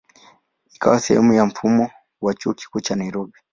Ikawa sehemu ya mfumo wa Chuo Kikuu cha Nairobi.